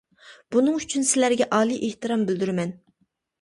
بۇنىڭ ئۈچۈن سىلەرگە ئالىي ئېھتىرام بىلدۈرىمەن.